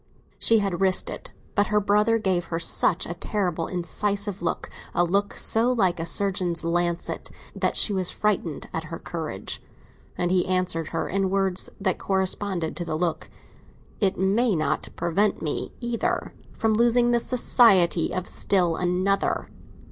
She had risked it, but her brother gave her such a terribly incisive look—a look so like a surgeon's lancet—that she was frightened at her courage. And he answered her in words that corresponded to the look: "It may not prevent me, either, from losing the society of still another."